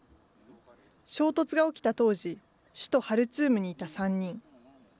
衝突が起きた当時、首都ハルツームにいた３人。